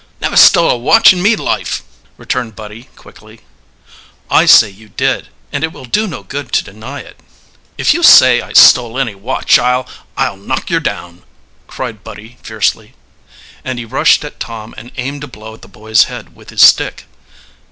"Never stole a watch in me life!" returned Buddy quickly. "I say you did, and it will do no good to deny it." "If you say I stole any watch I'll I'll knock yer down," cried Buddy fiercely. And he rushed at Tom and aimed a blow at the boy's head with his stick.